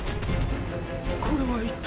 「これは一体？」